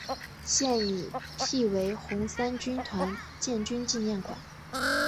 现已辟为红三军团建军纪念馆。